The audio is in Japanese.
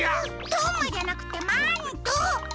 とんまじゃなくてマント！